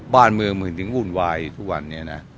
บ้านมือมึงถึงวุ่นวายทุกวันเนี่ยนะ